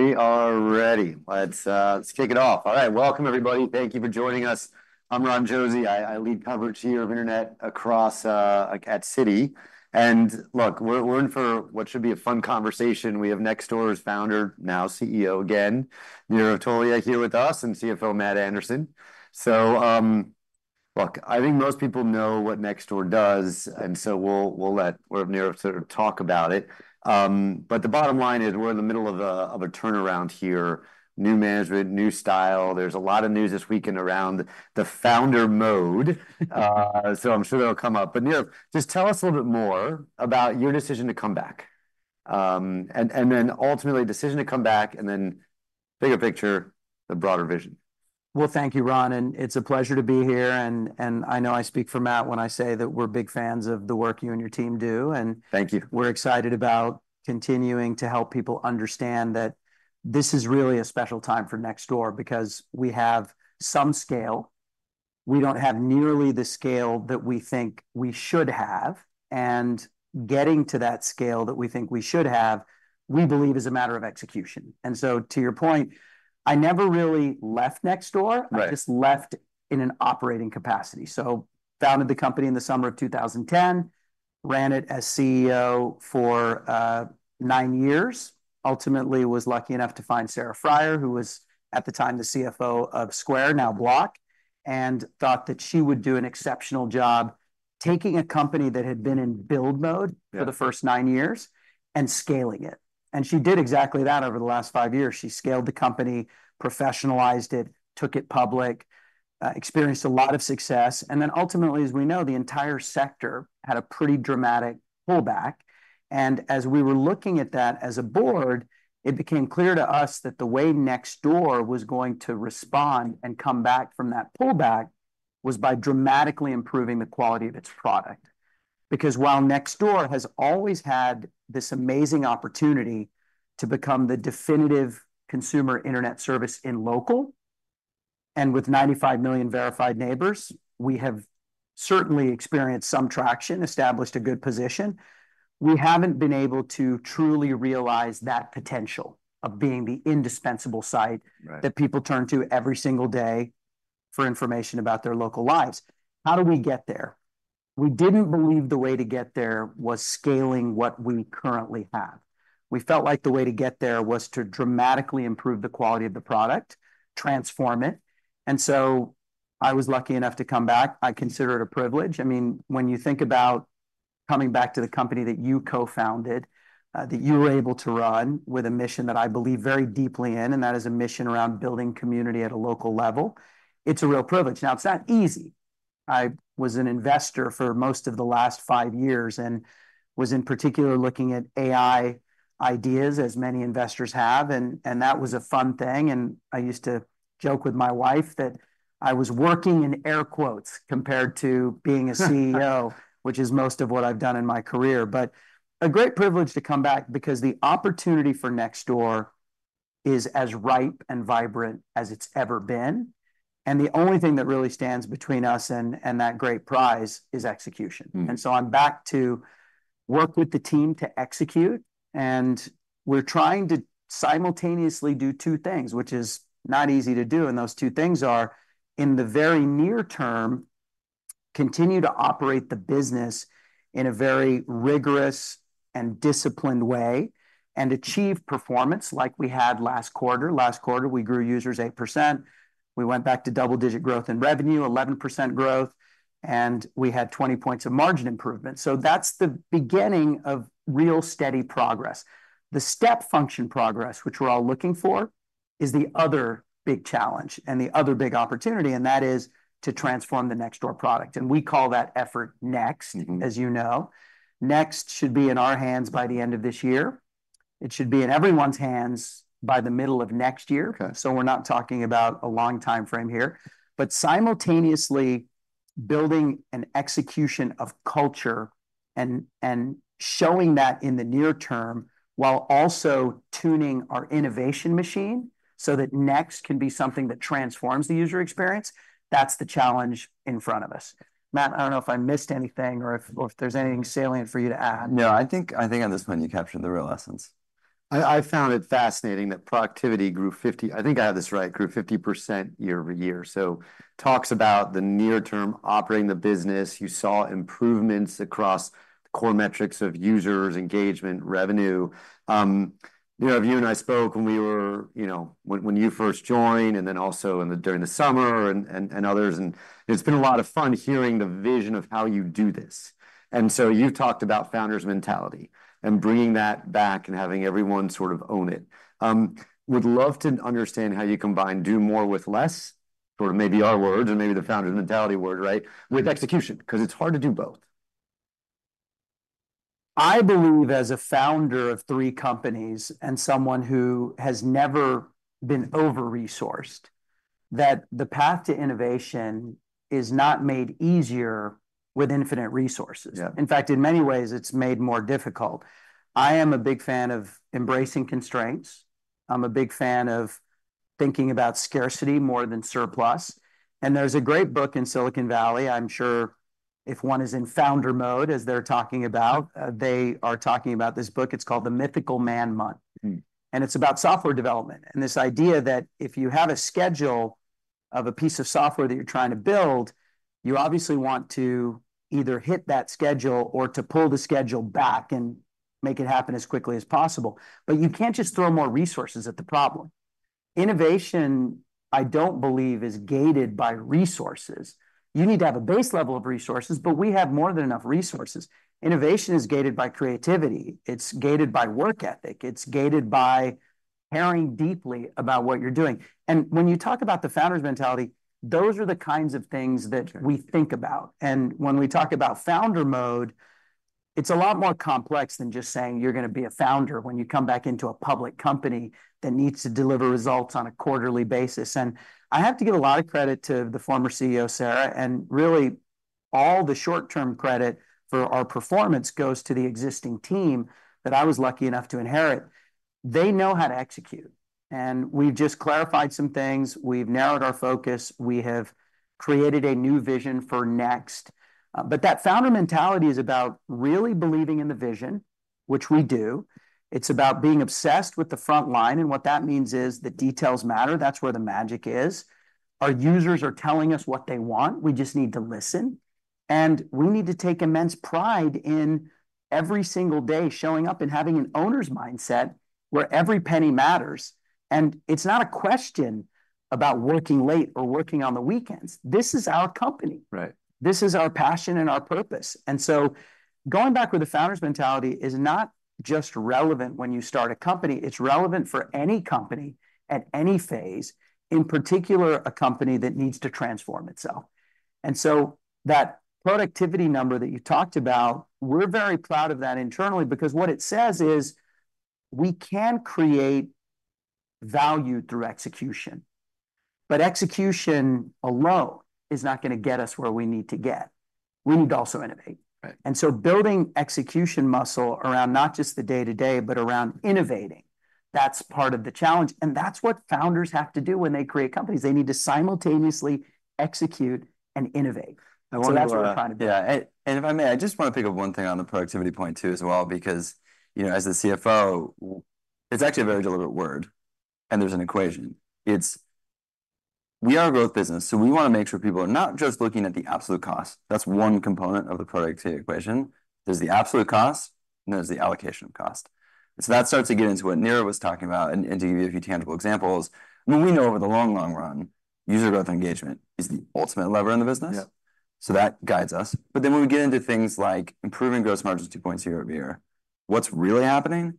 We are ready. Let's kick it off. All right. Welcome, everybody. Thank you for joining us. I'm Ron Josey. I lead coverage here of internet across at Citi. And look, we're in for what should be a fun conversation. We have Nextdoor's founder, now CEO again, Nirav Tolia, here with us, and CFO Matt Anderson. So, look, I think most people know what Nextdoor does, and so we'll let Nirav sort of talk about it. But the bottom line is we're in the middle of a turnaround here, new management, new style. There's a lot of news this weekend around the founder mode. So I'm sure that'll come up. But Nirav, just tell us a little bit more about your decision to come back, and then ultimately, and then bigger picture, the broader vision. Thank you, Ron, and it's a pleasure to be here. I know I speak for Matt when I say that we're big fans of the work you and your team do, and Thank you. We're excited about continuing to help people understand that this is really a special time for Nextdoor, because we have some scale. We don't have nearly the scale that we think we should have, and getting to that scale that we think we should have, we believe is a matter of execution. And so to your point, I never really left Nextdoor. Right. I just left in an operating capacity. I founded the company in the summer of 2010, ran it as CEO for nine years. Ultimately, I was lucky enough to find Sarah Friar, who was at the time the CFO of Square, now Block, and thought that she would do an exceptional job taking a company that had been in build mode Yeah for the first nine years, and scaling it, and she did exactly that over the last five years. She scaled the company, professionalized it, took it public, experienced a lot of success, and then ultimately, as we know, the entire sector had a pretty dramatic pullback. And as we were looking at that as a board, it became clear to us that the way Nextdoor was going to respond and come back from that pullback was by dramatically improving the quality of its product. Because while Nextdoor has always had this amazing opportunity to become the definitive consumer internet service in local, and with 95 million verified neighbors, we have certainly experienced some traction, established a good position. We haven't been able to truly realize that potential of being the indispensable site Right That people turn to every single day for information about their local lives. How do we get there? We didn't believe the way to get there was scaling what we currently have. We felt like the way to get there was to dramatically improve the quality of the product, transform it, and so I was lucky enough to come back. I consider it a privilege. I mean, when you think about coming back to the company that you co-founded, that you were able to run with a mission that I believe very deeply in, and that is a mission around building community at a local level, it's a real privilege. Now, it's not easy. I was an investor for most of the last five years and was in particular looking at AI ideas, as many investors have, and that was a fun thing, and I used to joke with my wife that I was working in air quotes compared to being a CEO, which is most of what I've done in my career. But a great privilege to come back, because the opportunity for Nextdoor is as ripe and vibrant as it's ever been, and the only thing that really stands between us and that great prize is execution. And so I'm back to work with the team to execute, and we're trying to simultaneously do two things, which is not easy to do, and those two things are, in the very near term, continue to operate the business in a very rigorous and disciplined way and achieve performance like we had last quarter. Last quarter, we grew users 8%. We went back to double-digit growth in revenue, 11% growth, and we had 20 points of margin improvement. So that's the beginning of real steady progress. The step function progress, which we're all looking for, is the other big challenge and the other big opportunity, and that is to transform the Nextdoor product, and we call that effort Next, as you know. Next should be in our hands by the end of this year. It should be in everyone's hands by the middle of next year. Okay. We're not talking about a long timeframe here. Simultaneously building an execution of culture and showing that in the near term, while also tuning our innovation machine so that Next can be something that transforms the user experience, that's the challenge in front of us. Matt, I don't know if I missed anything or if there's anything salient for you to add. No, I think, I think on this point you captured the real essence. I found it fascinating that productivity year-over-year. i think I have this right. It grew 50% year-over-year, so talks about the near term, operating the business. You saw improvements across the core metrics of users, engagement, revenue. You know, you and I spoke when we were you know, when you first joined, and then also during the summer and others, and it's been a lot of fun hearing the vision of how you do this. You talked about founder's mentality and bringing that back and having everyone sort of own it. Would love to understand how you combine do more with less, sort of maybe our words, or maybe the founder's mentality word, right, with execution, 'cause it's hard to do both. I believe, as a founder of three companies and someone who has never been over-resourced, that the path to innovation is not made easier with infinite resources. Yeah. In fact, in many ways, it's made more difficult. I am a big fan of embracing constraints. I'm a big fan of thinking about scarcity more than surplus. And there's a great book in Silicon Valley. I'm sure if one is in founder mode, as they're talking about, they are talking about this book. It's called The Mythical Man-Month. And it's about software development, and this idea that if you have a schedule of a piece of software that you're trying to build, you obviously want to either hit that schedule or to pull the schedule back and make it happen as quickly as possible, but you can't just throw more resources at the problem. Innovation, I don't believe, is gated by resources. You need to have a base level of resources, but we have more than enough resources. Innovation is gated by creativity. It's gated by work ethic. It's gated by caring deeply about what you're doing. And when you talk about the founder's mentality, those are the kinds of things that Sure We think about, and when we talk about founder mode, it's a lot more complex than just saying you're gonna be a founder when you come back into a public company that needs to deliver results on a quarterly basis. I have to give a lot of credit to the former CEO, Sarah, and really all the short-term credit for our performance goes to the existing team that I was lucky enough to inherit. They know how to execute, and we've just clarified some things. We've narrowed our focus. We have created a new vision for Next. But that founder mentality is about really believing in the vision, which we do. It's about being obsessed with the front line, and what that means is the details matter. That's where the magic is. Our users are telling us what they want. We just need to listen, and we need to take immense pride in every single day showing up and having an owner's mindset, where every penny matters. And it's not a question about working late or working on the weekends. This is our company. Right. This is our passion and our purpose, and so going back with the founder's mentality is not just relevant when you start a company, it's relevant for any company at any phase, in particular, a company that needs to transform itself. And so that productivity number that you talked about, we're very proud of that internally, because what it says is we can create value through execution, but execution alone is not gonna get us where we need to get. We need to also innovate. Right. And so building execution muscle around not just the day-to-day, but around innovating, that's part of the challenge, and that's what founders have to do when they create companies. They need to simultaneously execute and innovate. I want to That's what we're trying to do. Yeah, and if I may, I just want to pick up one thing on the productivity point, too, as well, because, you know, as the CFO, it's actually a very deliberate word, and there's an equation. It's. We are a growth business, so we want to make sure people are not just looking at the absolute cost. That's one component of the productivity equation. There's the absolute cost, and there's the allocation of cost. And so that starts to get into what Nirav was talking about, and to give you a few tangible examples. I mean, we know over the long, long run, user growth engagement is the ultimate lever in the business. Yep. So that guides us. But then when we get into things like improving gross margins two points year-over-year, what's really happening?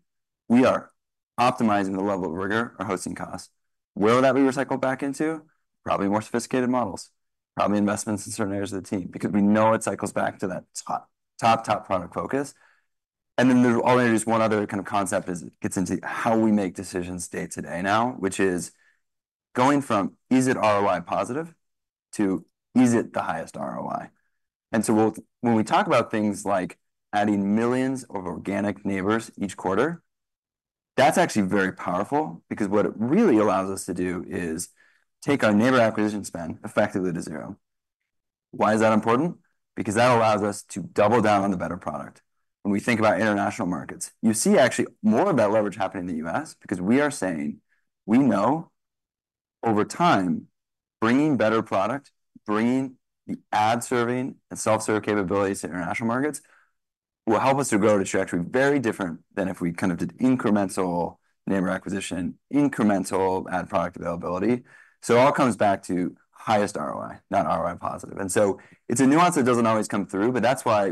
We are optimizing the level of rigor, our hosting costs. Where will that be recycled back into? Probably more sophisticated models, probably investments in certain areas of the team, because we know it cycles back to that top, top, top product focus. And then I'll introduce one other kind of concept, as it gets into how we make decisions day to day now, which is going from is it ROI positive to is it the highest ROI? And so when we talk about things like adding millions of organic neighbors each quarter, that's actually very powerful because what it really allows us to do is take our neighbor acquisition spend effectively to zero. Why is that important? Because that allows us to double down on the better product. When we think about international markets, you see actually more of that leverage happening in the U.S. because we are saying we know over time, bringing better product, bringing the ad serving and self-serve capabilities to international markets, will help us to grow the trajectory very different than if we kind of did incremental neighbor acquisition, incremental ad product availability, so it all comes back to highest ROI, not ROI positive, and so it's a nuance that doesn't always come through, but that's why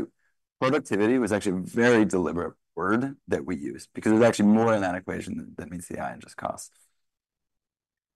productivity was actually a very deliberate word that we use, because there's actually more in that equation than meets the eye and just cost.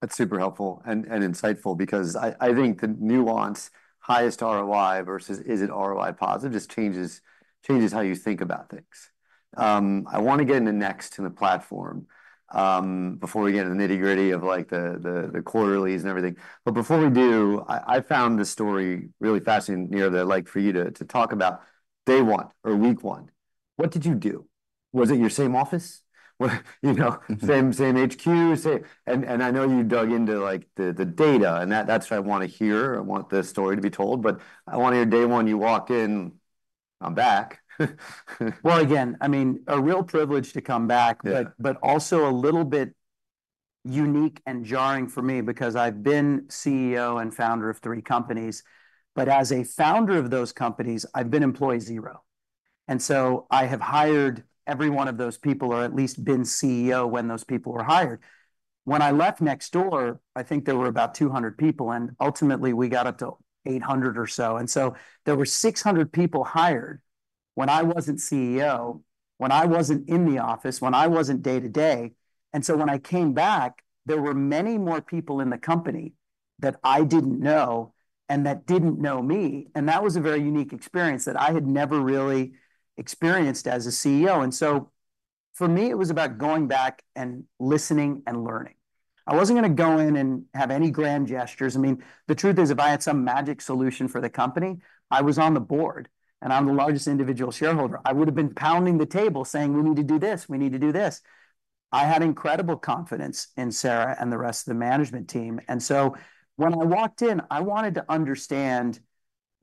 That's super helpful and insightful because I think the nuance, highest ROI versus is it ROI positive, just changes how you think about things. I want to get into Next and the platform before we get into the nitty-gritty of, like, the quarterlies and everything. But before we do, I found this story really fascinating, Nirav, that I'd like for you to talk about. Day one or week one, what did you do? Was it your same office? Well, you know same HQ, same. And I know you dug into, like, the data, and that's what I want to hear. I want the story to be told, but I want to hear day one, you walked in, "I'm back. Again, I mean, a real privilege to come back. Yeah but also a little bit unique and jarring for me because I've been CEO and founder of three companies. But as a founder of those companies, I've been employee zero, and so I have hired every one of those people, or at least been CEO when those people were hired. When I left Nextdoor, I think there were about 200 people, and ultimately we got up to 800 or so. And so there were 600 people hired when I wasn't CEO, when I wasn't in the office, when I wasn't day to day. And so when I came back, there were many more people in the company that I didn't know and that didn't know me, and that was a very unique experience that I had never really experienced as a CEO. And so for me, it was about going back and listening and learning. I wasn't gonna go in and have any grand gestures. I mean, the truth is, if I had some magic solution for the company, I was on the board. and I'm the largest individual shareholder, I would've been pounding the table saying, "We need to do this. We need to do this." I had incredible confidence in Sarah and the rest of the management team, and so when I walked in, I wanted to understand,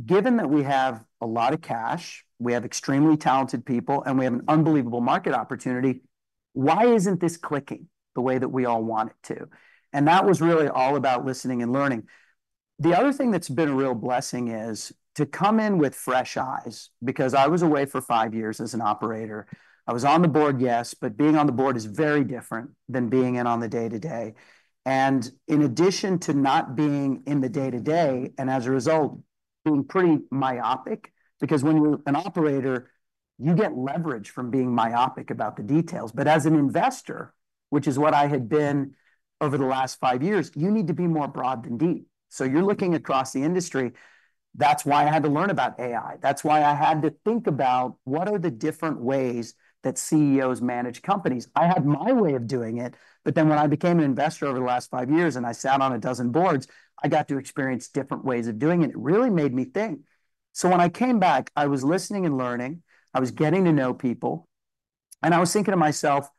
given that we have a lot of cash, we have extremely talented people, and we have an unbelievable market opportunity, why isn't this clicking the way that we all want it to? And that was really all about listening and learning. The other thing that's been a real blessing is to come in with fresh eyes, because I was away for five years as an operator. I was on the board, yes, but being on the board is very different than being in on the day-to-day. And in addition to not being in the day-to-day, and as a result, being pretty myopic, because when you're an operator, you get leverage from being myopic about the details. But as an investor, which is what I had been over the last five years, you need to be more broad than deep. So you're looking across the industry. That's why I had to learn about AI. That's why I had to think about, what are the different ways that CEOs manage companies? I had my way of doing it, but then when I became an investor over the last five years and I sat on a dozen boards, I got to experience different ways of doing it, and it really made me think. So when I came back, I was listening and learning, I was getting to know people, and I was thinking to myself: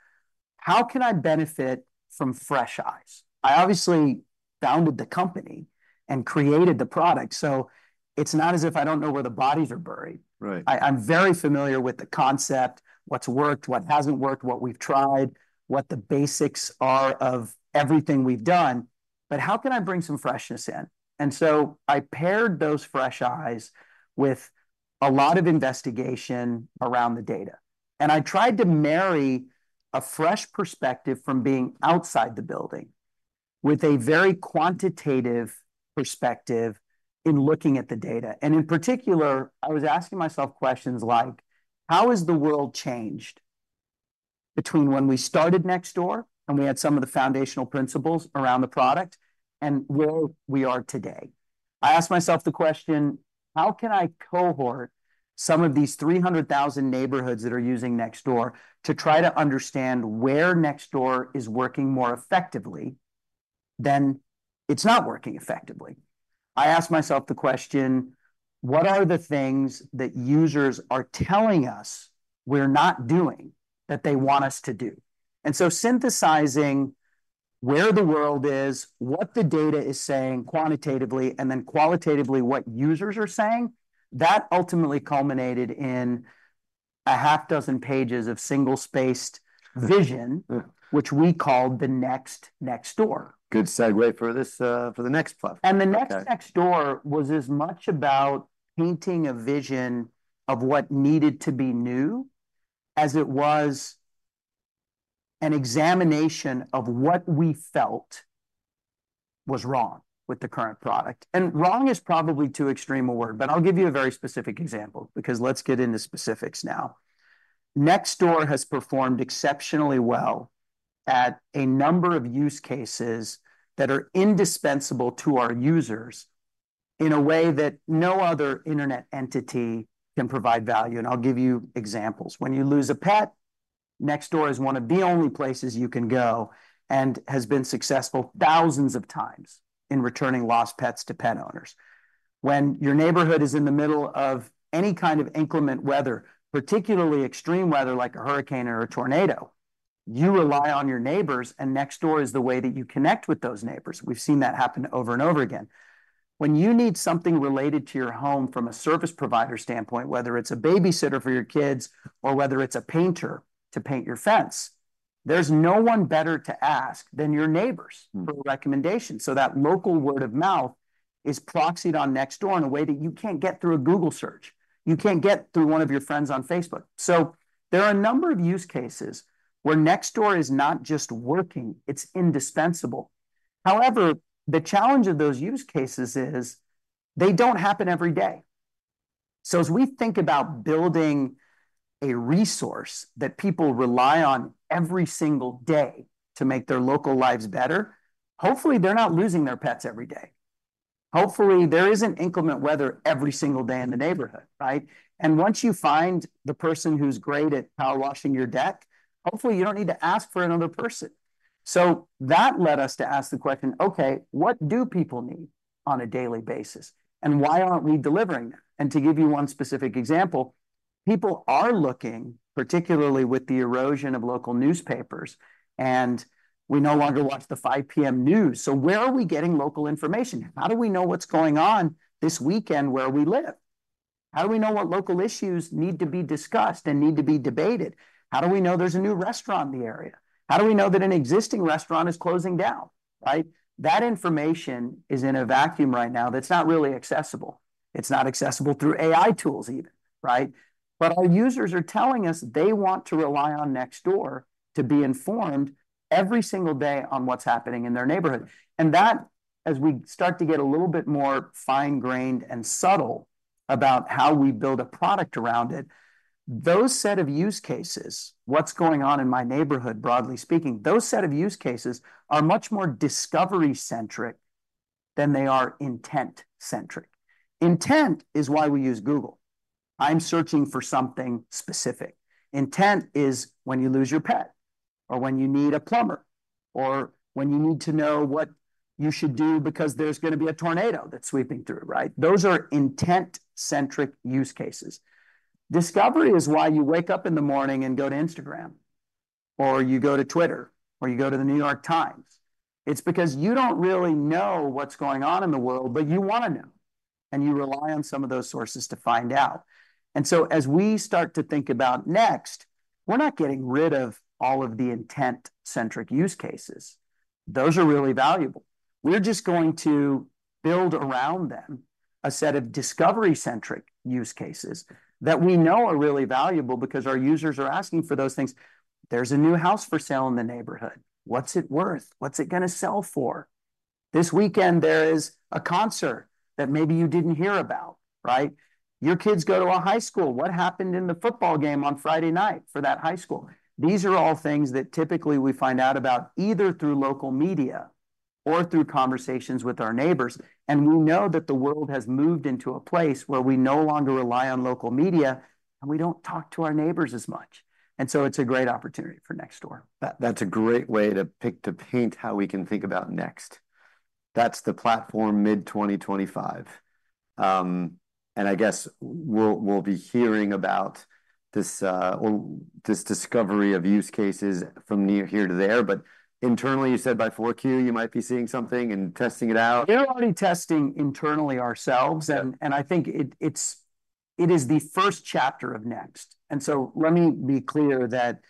How can I benefit from fresh eyes? I obviously founded the company and created the product, so it's not as if I don't know where the bodies are buried. Right. I'm very familiar with the concept, what's worked, what hasn't worked, what we've tried, what the basics are of everything we've done, but how can I bring some freshness in? And so I paired those fresh eyes with a lot of investigation around the data, and I tried to marry a fresh perspective from being outside the building with a very quantitative perspective in looking at the data. And in particular, I was asking myself questions like: How has the world changed between when we started Nextdoor, and we had some of the foundational principles around the product, and where we are today? I asked myself the question: How can I cohort some of these 300,000 neighborhoods that are using Nextdoor to try to understand where Nextdoor is working more effectively than it's not working effectively? I asked myself the question: What are the things that users are telling us we're not doing that they want us to do? And so synthesizing where the world is, what the data is saying quantitatively, and then qualitatively what users are saying, that ultimately culminated in 6 pages of single-spaced vision which we called the next Nextdoor. Good segue for this, for the next part. Okay. And the next Nextdoor was as much about painting a vision of what needed to be new, as it was an examination of what we felt was wrong with the current product. And wrong is probably too extreme a word, but I'll give you a very specific example, because let's get into specifics now. Nextdoor has performed exceptionally well at a number of use cases that are indispensable to our users in a way that no other internet entity can provide value, and I'll give you examples. When you lose a pet, Nextdoor is one of the only places you can go, and has been successful thousands of times in returning lost pets to pet owners. When your neighborhood is in the middle of any kind of inclement weather, particularly extreme weather, like a hurricane or a tornado, you rely on your neighbors, and Nextdoor is the way that you connect with those neighbors. We've seen that happen over and over again. When you need something related to your home from a service provider standpoint, whether it's a babysitter for your kids or whether it's a painter to paint your fence, there's no one better to ask than your neighbors for recommendations, so that local word of mouth is proxied on Nextdoor in a way that you can't get through a Google search, you can't get through one of your friends on Facebook, so there are a number of use cases where Nextdoor is not just working, it's indispensable. However, the challenge of those use cases is they don't happen every day, so as we think about building a resource that people rely on every single day to make their local lives better, hopefully they're not losing their pets every day. Hopefully, there isn't inclement weather every single day in the neighborhood, right? and once you find the person who's great at power washing your deck, hopefully you don't need to ask for another person, so that led us to ask the question: Okay, what do people need on a daily basis, and why aren't we delivering that? To give you one specific example, people are looking, particularly with the erosion of local newspapers, and we no longer watch the 5:00 P.M. news. So where are we getting local information? How do we know what's going on this weekend where we live? How do we know what local issues need to be discussed and need to be debated? How do we know there's a new restaurant in the area? How do we know that an existing restaurant is closing down, right? That information is in a vacuum right now that's not really accessible. It's not accessible through AI tools even, right? But our users are telling us they want to rely on Nextdoor to be informed every single day on what's happening in their neighborhood. And that, as we start to get a little bit more fine-grained and subtle about how we build a product around it, those set of use cases, what's going on in my neighborhood, broadly speaking, those set of use cases are much more discovery-centric than they are intent-centric. Intent is why we use Google. I'm searching for something specific. Intent is when you lose your pet... or when you need a plumber, or when you need to know what you should do because there's gonna be a tornado that's sweeping through, right? Those are intent-centric use cases. Discovery is why you wake up in the morning and go to Instagram, or you go to Twitter, or you go to The New York Times. It's because you don't really know what's going on in the world, but you wanna know, and you rely on some of those sources to find out. And so as we start to think about Next, we're not getting rid of all of the intent-centric use cases. Those are really valuable. We're just going to build around them a set of discovery-centric use cases that we know are really valuable because our users are asking for those things. There's a new house for sale in the neighborhood. What's it worth? What's it gonna sell for? This weekend, there is a concert that maybe you didn't hear about, right? Your kids go to a high school. What happened in the football game on Friday night for that high school? These are all things that typically we find out about either through local media or through conversations with our neighbors, and we know that the world has moved into a place where we no longer rely on local media, and we don't talk to our neighbors as much, and so it's a great opportunity for Nextdoor. That, that's a great way to paint how we can think about Next. That's the platform mid 2025. I guess we'll be hearing about this discovery of use cases from here to there, but internally, you said by 4Q, you might be seeing something and testing it out? We're already testing internally ourselves. Yeah and I think it is the first chapter of Next. And so let me be clear that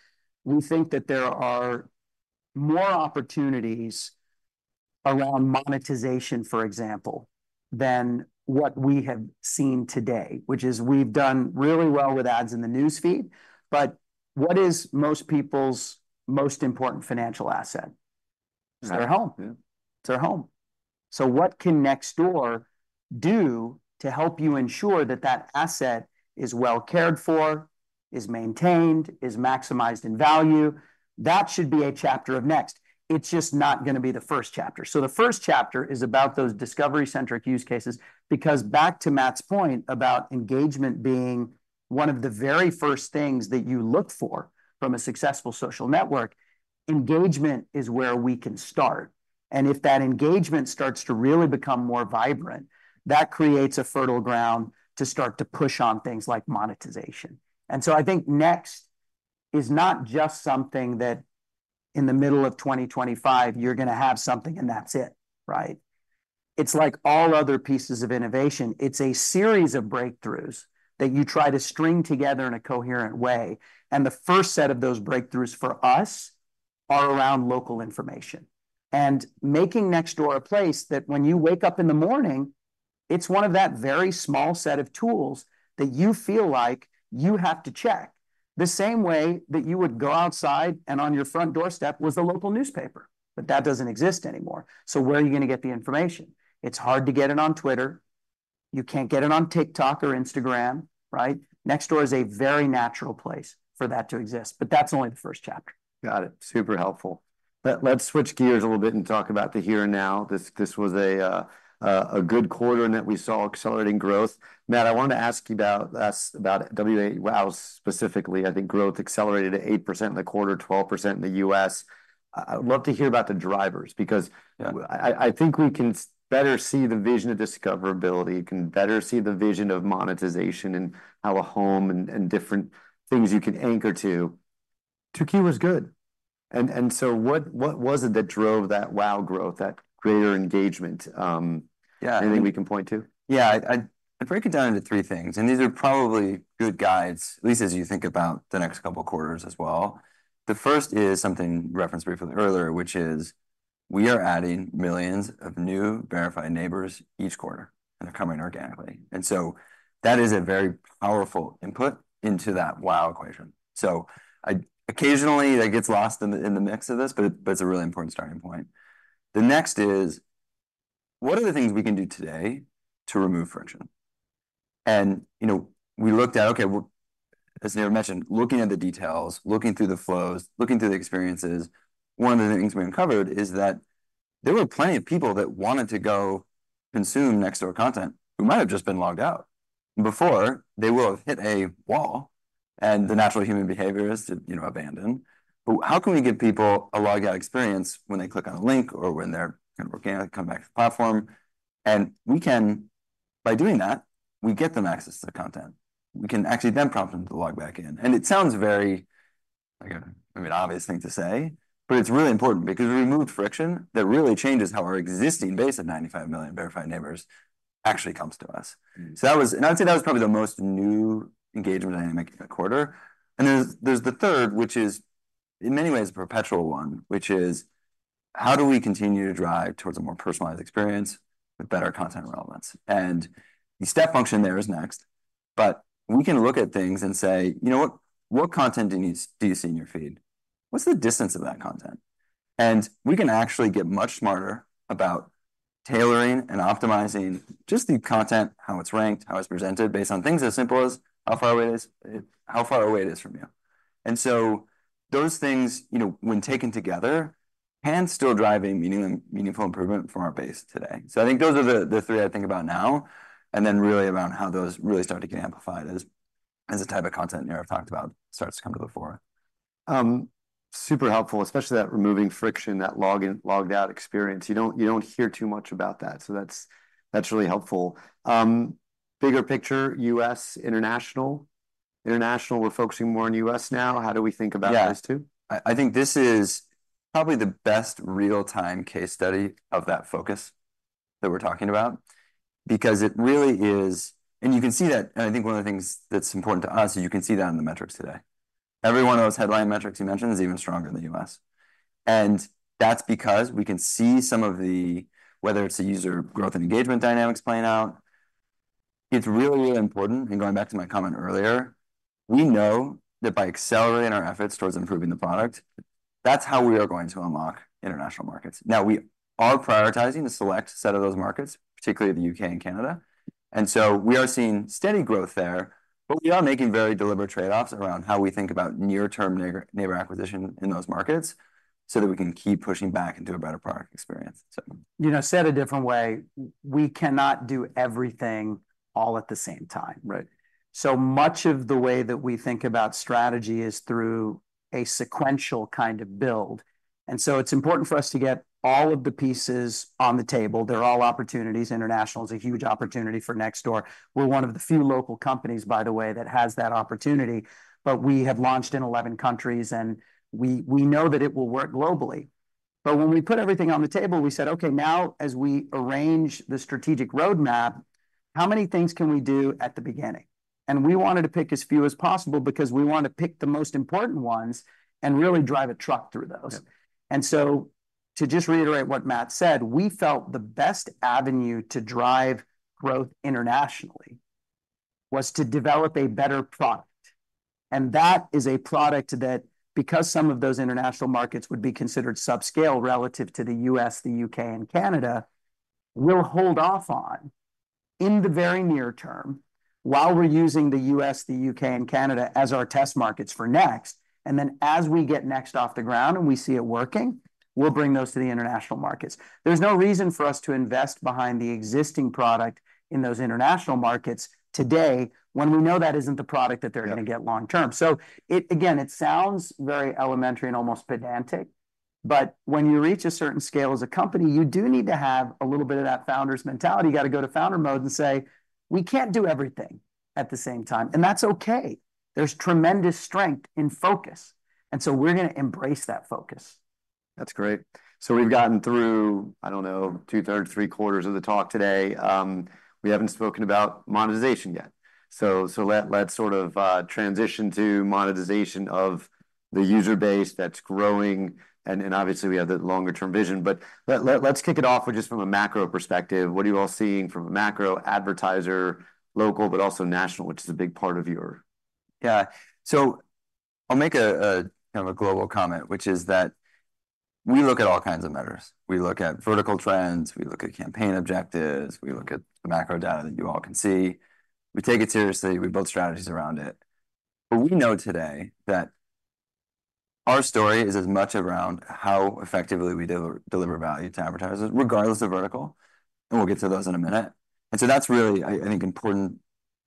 we think that there are more opportunities around monetization, for example, than what we have seen today, which is we've done really well with ads in the news feed. But what is most people's most important financial asset? Right. It's their home. Yeah. It's their home. So what can Nextdoor do to help you ensure that that asset is well cared for, is maintained, is maximized in value? That should be a chapter of Next. It's just not gonna be the first chapter, so the first chapter is about those discovery-centric use cases, because back to Matt's point about engagement being one of the very first things that you look for from a successful social network, engagement is where we can start, and if that engagement starts to really become more vibrant, that creates a fertile ground to start to push on things like monetization, and so I think Next is not just something that in the middle of 2025, you're gonna have something, and that's it, right? It's like all other pieces of innovation. It's a series of breakthroughs that you try to string together in a coherent way, and the first set of those breakthroughs for us are around local information and making Nextdoor a place that when you wake up in the morning, it's one of that very small set of tools that you feel like you have to check, the same way that you would go outside and on your front doorstep was the local newspaper, but that doesn't exist anymore, so where are you gonna get the information? It's hard to get it on Twitter. You can't get it on TikTok or Instagram, right? Nextdoor is a very natural place for that to exist, but that's only the first chapter. Got it. Super helpful. Let's switch gears a little bit and talk about the here and now. This was a good quarter in that we saw accelerating growth. Matt, I wanted to ask you about WAU, specifically. I think growth accelerated to 8% in the quarter, 12% in the U.S. I'd love to hear about the drivers, because- Yeah I think we can better see the vision of discoverability, can better see the vision of monetization and how a home and different things you can anchor to. 2Q was good, and so what was it that drove that WAU growth, that greater engagement. Yeah anything we can point to? Yeah, I'd break it down into three things, and these are probably good guides, at least as you think about the next couple of quarters as well. The first is something referenced briefly earlier, which is we are adding millions of new verified neighbors each quarter, and they're coming organically, and so that is a very powerful input into that WAU equation. So, occasionally, that gets lost in the mix of this, but it's a really important starting point. The next is: what are the things we can do today to remove friction? And, you know, we looked at, okay, well, as Nirav mentioned, looking at the details, looking through the flows, looking through the experiences. One of the things we uncovered is that there were plenty of people that wanted to go consume Nextdoor content who might have just been logged out. Before, they would have hit a wall, and the natural human behavior is to, you know, abandon. But how can we give people a log-out experience when they click on a link or when they're kind of organically come back to the platform? And we can by doing that, we get them access to the content. We can actually then prompt them to log back in. And it sounds very, like a, I mean, obvious thing to say, but it's really important, because if we remove the friction, that really changes how our existing base of 95 million verified neighbors actually comes to us. That was, and I'd say that was probably the most new engagement dynamic in the quarter. And there's the third, which is, in many ways, a perpetual one, which is: how do we continue to drive towards a more personalized experience with better content relevance? And the step function there is Next, but we can look at things and say: "You know what? What content do you see in your feed? What's the distance of that content?" And we can actually get much smarter about tailoring and optimizing just the content, how it's ranked, how it's presented, based on things as simple as how far away it is, how far away it is from you. And so those things, you know, when taken together and still driving meaningful improvement from our base today. So I think those are the three I think about now, and then really around how those really start to get amplified as the type of content Nirav talked about starts to come to the fore. Super helpful, especially that removing friction, that login-logged out experience. You don't hear too much about that, so that's really helpful. Bigger picture, U.S., international? International, we're focusing more on U.S. now. How do we think about those two? Yeah. I, I think this is probably the best real-time case study of that focus that we're talking about, because it really is. And you can see that, and I think one of the things that's important to us is you can see that in the metrics today. Every one of those headline metrics you mentioned is even stronger in the U.S., and that's because we can see some of the- whether it's the user growth and engagement dynamics playing out, it's really, really important. And going back to my comment earlier, we know that by accelerating our efforts towards improving the product, that's how we are going to unlock international markets. Now, we are prioritizing a select set of those markets, particularly the U.K. and Canada, and so we are seeing steady growth there. We are making very deliberate trade-offs around how we think about near-term neighbor acquisition in those markets so that we can keep pushing back into a better product experience, so. You know, said a different way, we cannot do everything all at the same time. Right. So much of the way that we think about strategy is through a sequential kind of build, and so it's important for us to get all of the pieces on the table. They're all opportunities. International is a huge opportunity for Nextdoor. We're one of the few local companies, by the way, that has that opportunity, but we have launched in 11 countries, and we know that it will work globally. But when we put everything on the table, we said: "Okay, now, as we arrange the strategic roadmap, how many things can we do at the beginning?" And we wanted to pick as few as possible because we want to pick the most important ones and really drive a truck through those. Yeah. And so, to just reiterate what Matt said, we felt the best avenue to drive growth internationally was to develop a better product, and that is a product that, because some of those international markets would be considered subscale relative to the U.S., the U.K., and Canada, we'll hold off on in the very near term, while we're using the U.S., the U.K., and Canada as our test markets for Next. And then, as we get Next off the ground and we see it working, we'll bring those to the international markets. There's no reason for us to invest behind the existing product in those international markets today, when we know that isn't the product that they're Yeah gonna get long term. So it, again, it sounds very elementary and almost pedantic, but when you reach a certain scale as a company, you do need to have a little bit of that founder's mentality. You got to go to founder mode and say: "We can't do everything at the same time," and that's okay. There's tremendous strength in focus, and so we're gonna embrace that focus. That's great. So we've gotten through, I don't know, two-thirds, three-quarters of the talk today. We haven't spoken about monetization yet. So let's sort of transition to monetization of the user base that's growing, and obviously, we have the longer-term vision. But let's kick it off with just from a macro perspective, what are you all seeing from a macro advertiser, local but also national, which is a big part of your Yeah. So I'll make a kind of a global comment, which is that we look at all kinds of measures. We look at vertical trends, we look at campaign objectives, we look at the macro data that you all can see. We take it seriously. We build strategies around it. But we know today that our story is as much around how effectively we deliver value to advertisers, regardless of vertical, and we'll get to those in a minute. And so that's really, I think, important,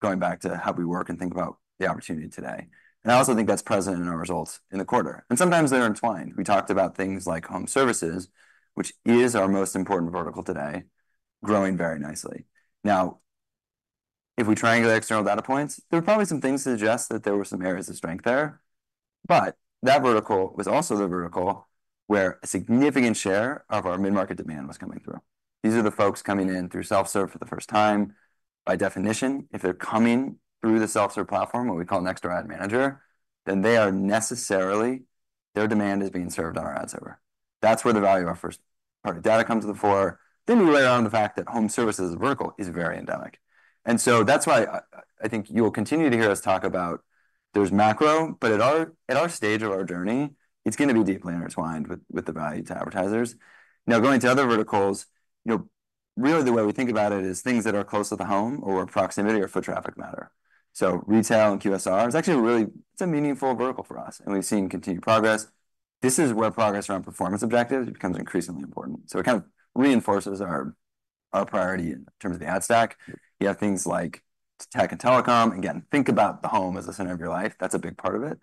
going back to how we work and think about the opportunity today, and I also think that's present in our results in the quarter, and sometimes they're entwined. We talked about things like home services, which is our most important vertical today, growing very nicely. Now, if we triangulate external data points, there are probably some things to suggest that there were some areas of strength there, but that vertical was also the vertical where a significant share of our mid-market demand was coming through. These are the folks coming in through self-serve for the first time. By definition, if they're coming through the self-serve platform, what we call Nextdoor Ad Manager, then they are necessarily, their demand is being served on our ad server. That's where the value of our first-party data comes to the fore. Then we layer on the fact that home services as a vertical is very endemic. And so that's why I, I, I think you will continue to hear us talk about there's macro, but at our, at our stage of our journey, it's gonna be deeply intertwined with, with the value to advertisers. Now, going to other verticals, you know, really the way we think about it is things that are close to the home or proximity or foot traffic matter. So retail and QSR is actually, it's a meaningful vertical for us, and we've seen continued progress. This is where progress around performance objectives becomes increasingly important, so it kind of reinforces our priority in terms of the ad stack. You have things like tech and telecom. Again, think about the home as the center of your life. That's a big part of it,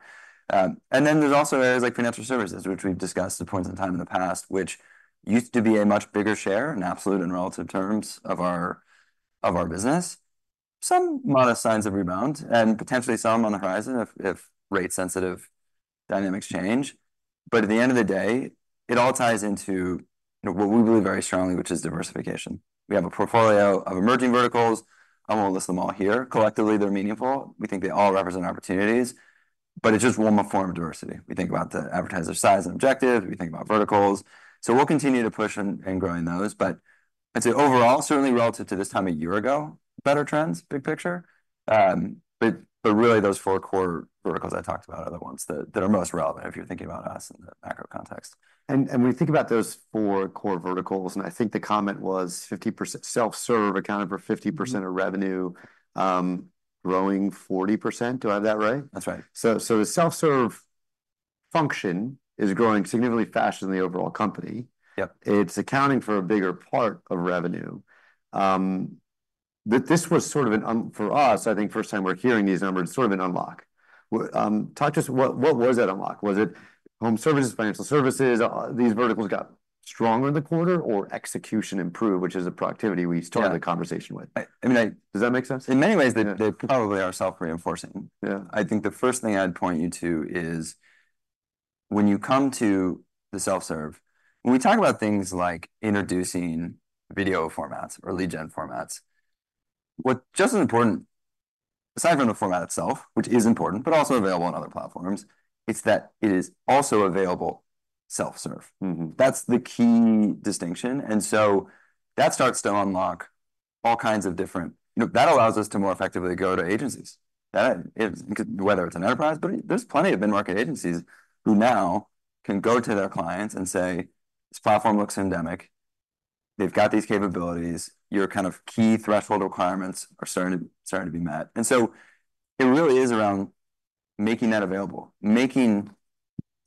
and then there's also areas like financial services, which we've discussed at points in time in the past, which used to be a much bigger share in absolute and relative terms of our business, some modest signs of rebound and potentially some on the horizon if rate-sensitive dynamics change. But at the end of the day, it all ties into, you know, what we believe very strongly, which is diversification. We have a portfolio of emerging verticals. I won't list them all here. Collectively, they're meaningful. We think they all represent opportunities, but it's just one more form of diversity. We think about the advertiser size and objective, we think about verticals, so we'll continue to push on in growing those. But I'd say overall, certainly relative to this time a year ago, better trends, big picture. But really, those four core verticals I talked about are the ones that are most relevant if you're thinking about us in the macro context. When you think about those four core verticals, and I think the comment was 50% self-serve accounted for 50% of revenue, growing 40%. Do I have that right? That's right. The self-serve function is growing significantly faster than the overall company. Yep. It's accounting for a bigger part of revenue. But this was sort of an unlock for us, I think, first time we're hearing these numbers, sort of an unlock. Talk to us, what, what was that unlock? Was it home services, financial services, these verticals got stronger in the quarter, or execution improved, which is a productivity we started- Yeah the conversation with. I mean, Does that make sense? In many ways, they Yeah They probably are self-reinforcing. Yeah. I think the first thing I'd point you to is when you come to the self-serve, when we talk about things like introducing video formats or lead gen formats, what's just as important, aside from the format itself, which is important, but also available on other platforms, it's that it is also available self-serve. That's the key distinction, and so that starts to unlock all kinds of different... You know, that allows us to more effectively go to agencies. That is, whether it's an enterprise, but there's plenty of mid-market agencies who now can go to their clients and say, "This platform looks endemic. They've got these capabilities. Your kind of key threshold requirements are starting to, starting to be met." And so it really is around making that available, making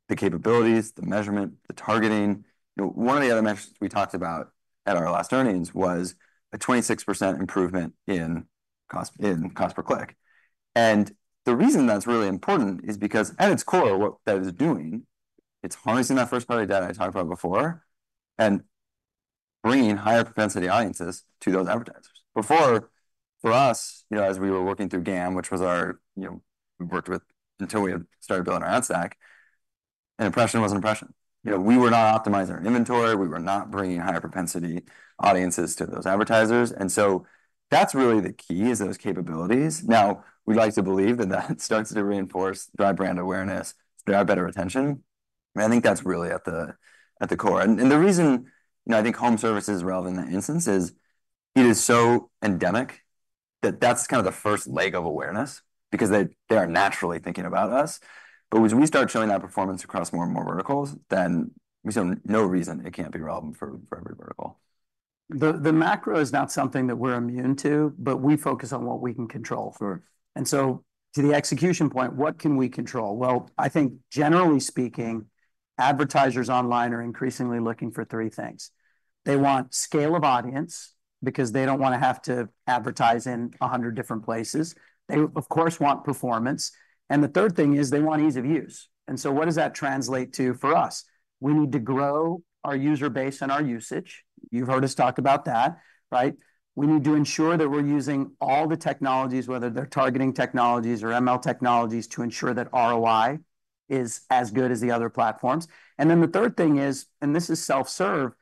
the capabilities, the measurement, the targeting. You know, one of the other metrics we talked about at our last earnings was a 26% improvement in cost, in cost per click. And the reason that's really important is because at its core, what that is doing, it's harnessing that first-party data I talked about before and bringing higher-propensity audiences to those advertisers. Before, for us, you know, as we were working through GAM, which was our, you know, we worked with until we had started building our ad stack, an impression was an impression. You know, we were not optimizing our inventory, we were not bringing higher-propensity audiences to those advertisers, and so that's really the key, is those capabilities. Now, we like to believe that that starts to reinforce drive brand awareness, drive better retention, and I think that's really at the, at the core. And, and the reason, you know, I think home service is relevant in that instance is it is so endemic that that's kind of the first leg of awareness because they, they are naturally thinking about us. But as we start showing that performance across more and more verticals, then we see no reason it can't be relevant for, for every vertical. The macro is not something that we're immune to, but we focus on what we can control for. To the execution point, what can we control? I think generally speaking, advertisers online are increasingly looking for three things. They want scale of audience because they don't wanna have to advertise in a hundred different places. They, of course, want performance. And the third thing is they want ease of use. What does that translate to for us? We need to grow our user base and our usage. You've heard us talk about that, right? We need to ensure that we're using all the technologies, whether they're targeting technologies or ML technologies, to ensure that ROI is as good as the other platforms. The third thing is, and this is self-serve,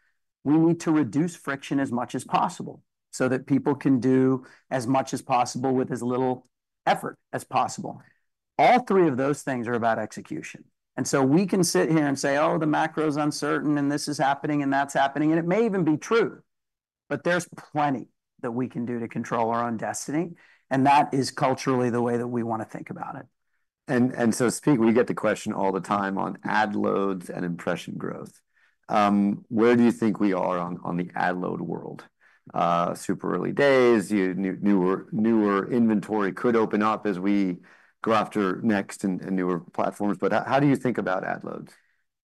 we need to reduce friction as much as possible so that people can do as much as possible with as little effort as possible. All three of those things are about execution, and so we can sit here and say, "Oh, the macro's uncertain, and this is happening, and that's happening," and it may even be true, but there's plenty that we can do to control our own destiny, and that is culturally the way that we wanna think about it. So speaking, we get the question all the time on ad loads and impression growth. Where do you think we are on the ad load world? Super early days. Newer inventory could open up as we go after Next and newer platforms, but how do you think about ad loads?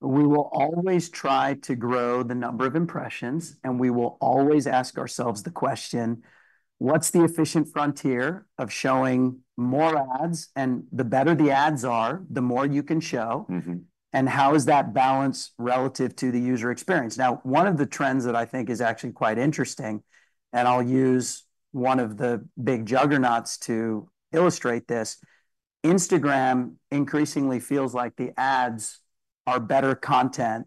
We will always try to grow the number of impressions, and we will always ask ourselves the question: What's the efficient frontier of showing more ads? And the better the ads are, the How is that balance relative to the user experience? Now, one of the trends that I think is actually quite interesting, and I'll use one of the big juggernauts to illustrate this, Instagram increasingly feels like the ads are better content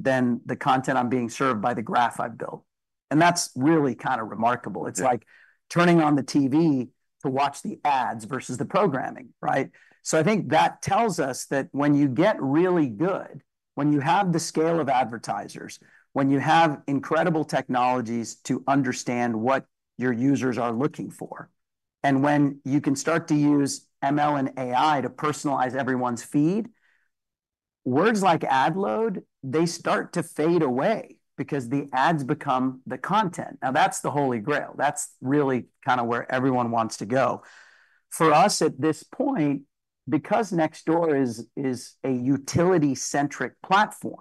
than the content I'm being served by the graph I've built, and that's really kind of remarkable. Yeah. It's like turning on the TV to watch the ads versus the programming, right? So I think that tells us that when you get really good, when you have the scale of advertisers, when you have incredible technologies to understand what your users are looking for, and when you can start to use ML and AI to personalize everyone's feed, words like ad load, they start to fade away because the ads become the content. Now, that's the Holy Grail. That's really kind of where everyone wants to go. For us, at this point, because Nextdoor is a utility-centric platform,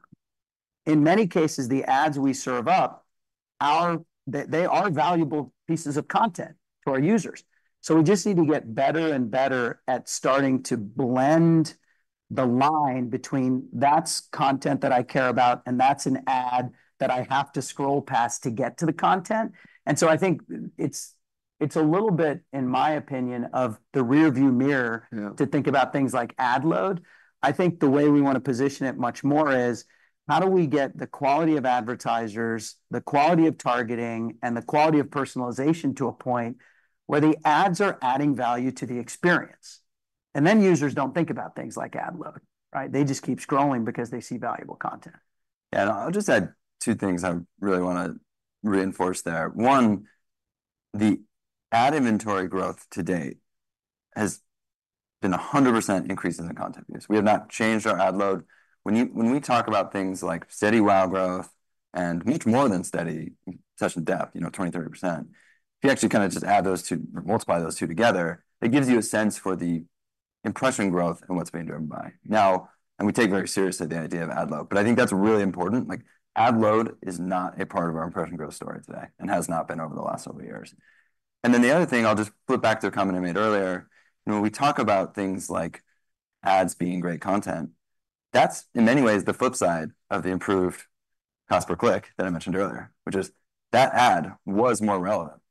in many cases, the ads we serve up are. They are valuable pieces of content to our users. So we just need to get better and better at starting to blend the line between "That's content that I care about, and that's an ad that I have to scroll past to get to the content." And so I think it's a little bit, in my opinion, of the rear view mirror Yeah. to think about things like ad load. I think the way we wanna position it much more is: How do we get the quality of advertisers, the quality of targeting, and the quality of personalization to a point where the ads are adding value to the experience? And then users don't think about things like ad load, right? They just keep scrolling because they see valuable content. Yeah, and I'll just add two things I really wanna reinforce there. One, the ad inventory growth to date has been 100% increase in the content use. We have not changed our ad load. When we talk about things like steady WAU growth, and we much more than steady, such in depth, you know, 20, 30%. If you actually kinda just add those two, multiply those two together, it gives you a sense for the impression growth and what's being driven by. Now, and we take very seriously the idea of ad load, but I think that's really important. Like, ad load is not a part of our impression growth story today, and has not been over the last several years. And then the other thing, I'll just flip back to a comment I made earlier. When we talk about things like ads being great content, that's in many ways the flip side of the improved cost per click that I mentioned earlier, which is that ad was more relevant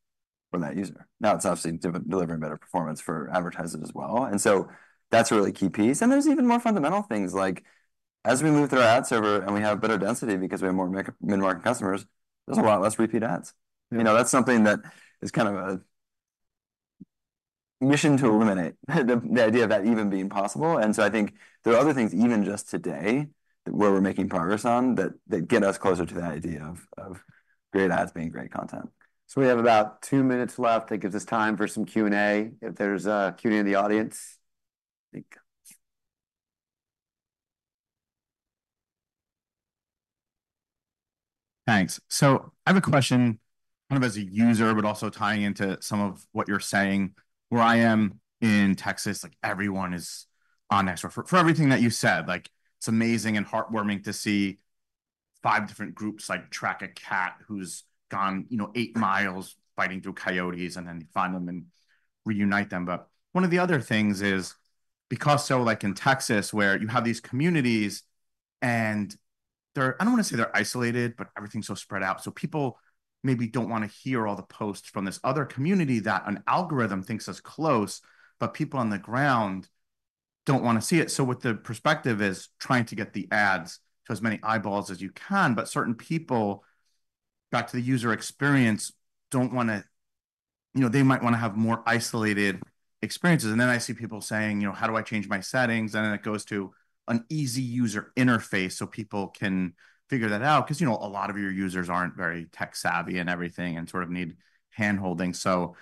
for that user. Now, it's obviously delivering better performance for advertisers as well, and so that's a really key piece. And there's even more fundamental things like, as we move through our ad server and we have better density because we have more mid-market customers, there's a lot less repeat ads. You know, that's something that is kind of a mission to eliminate, the idea of that even being possible. I think there are other things, even just today, that we're making progress on, that get us closer to that idea of great ads being great content. So we have about two minutes left. That gives us time for some Q&A. If there's a Q&A in the audience, I think. Thanks, so I have a question, kind of as a user, but also tying into some of what you're saying. Where I am in Texas, like, everyone is on Nextdoor. For everything that you said, like, it's amazing and heartwarming to see five different groups like track a cat who's gone, you know, eight miles, fighting through coyotes, and then find them and reunite them, but one of the other things is because, so like in Texas, where you have these communities and they're, I don't want to say they're isolated, but everything's so spread out, so people maybe don't want to hear all the posts from this other community that an algorithm thinks is close, but people on the ground don't want to see it. So what the perspective is, trying to get the ads to as many eyeballs as you can, but certain people, back to the user experience, don't wanna, you know, they might wanna have more isolated experiences. And then I see people saying, you know, "How do I change my settings?" And then it goes to an easy user interface, so people can figure that out. 'Cause, you know, a lot of your users aren't very tech savvy and everything, and sort of need hand holding. So,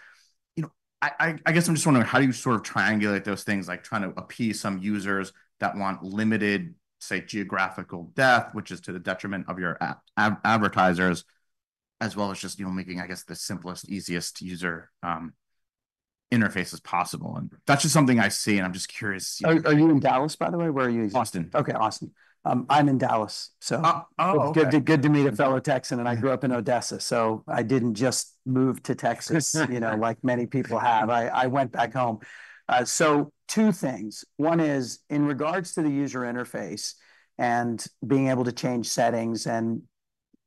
you know, I guess I'm just wondering, how do you sort of triangulate those things? Like trying to appease some users that want limited, say, geographical depth, which is to the detriment of your advertisers, as well as just, you know, making, I guess, the simplest, easiest user interface as possible. And that's just something I see, and I'm just curious- Are you in Dallas, by the way? Where are you in Austin. Okay, Austin. I'm in Dallas, so- Oh! Oh, okay. Good to meet a fellow Texan. Yeah. I grew up in Odessa, so I didn't just move to Texas, you know, like many people have. I went back home. So two things. One is, in regards to the user interface and being able to change settings and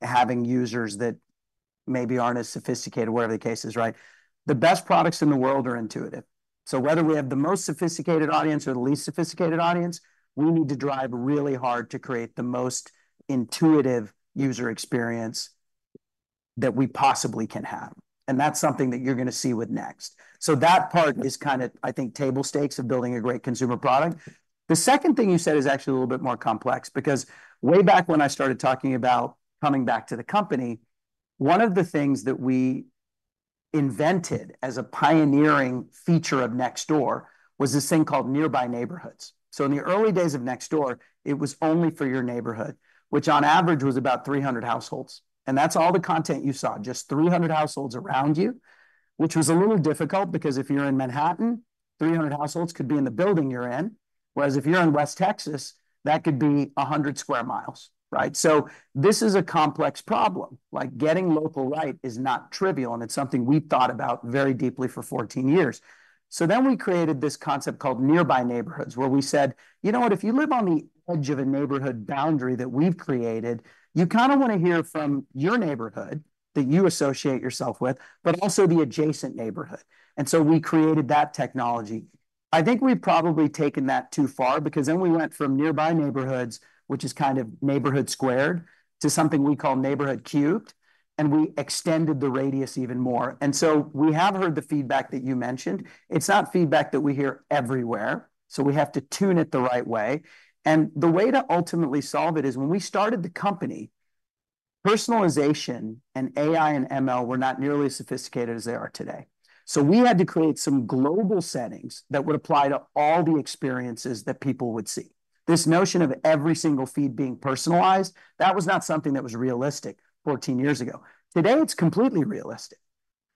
having users that maybe aren't as sophisticated, whatever the case is, right? The best products in the world are intuitive. So whether we have the most sophisticated audience or the least sophisticated audience, we need to drive really hard to create the most intuitive user experience that we possibly can have, and that's something that you're gonna see with Next. So that part is kind of, I think, table stakes of building a great consumer product. The second thing you said is actually a little bit more complex, because way back when I started talking about coming back to the company, one of the things that we invented as a pioneering feature of Nextdoor was this thing called Nearby Neighborhoods. So in the early days of Nextdoor, it was only for your neighborhood, which on average was about three hundred households, and that's all the content you saw, just three hundred households around you, which was a little difficult, because if you're in Manhattan, three hundred households could be in the building you're in, whereas if you're in West Texas, that could be a hundred square miles, right? So this is a complex problem. Like getting local right is not trivial, and it's something we've thought about very deeply for fourteen years. So then we created this concept called Nearby Neighborhoods, where we said, "You know what? If you live on the edge of a neighborhood boundary that we've created, you kind of want to hear from your neighborhood that you associate yourself with, but also the adjacent neighborhood." And so we created that technology. I think we've probably taken that too far, because then we went from Nearby Neighborhoods, which is kind of neighborhood squared, to something we call neighborhood cubed, and we extended the radius even more. And so we have heard the feedback that you mentioned. It's not feedback that we hear everywhere, so we have to tune it the right way. And the way to ultimately solve it is, when we started the company, personalization and AI and ML were not nearly as sophisticated as they are today. So we had to create some global settings that would apply to all the experiences that people would see. This notion of every single feed being personalized, that was not something that was realistic fourteen years ago. Today, it's completely realistic.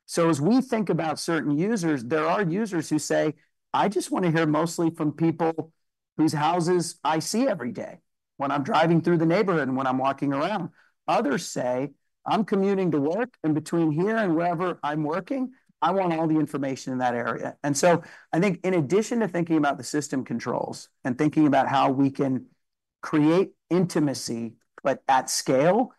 So as we think about certain users, there are users who say, "I just want to hear mostly from people whose houses I see every day when I'm driving through the neighborhood and when I'm walking around." Others say, "I'm commuting to work, and between here and wherever I'm working, I want all the information in that area." And so I think in addition to thinking about the system controls and thinking about how we can create intimacy, but at scale,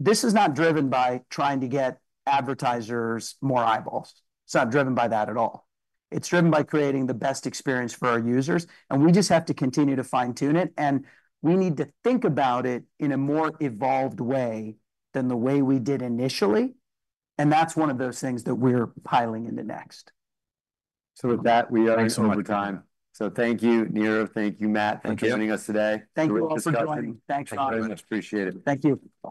this is not driven by trying to get advertisers more eyeballs. It's not driven by that at all. It's driven by creating the best experience for our users, and we just have to continue to fine-tune it, and we need to think about it in a more evolved way than the way we did initially, and that's one of those things that we're piling into Next. So with that, we are over time. Thanks so much. So thank you, Nirav. Thank you, Matt- Thank you. Thank you for joining us today. Thank you all for joining. Great discussion. Thanks, Ron. Thank you very much. Appreciate it. Thank you.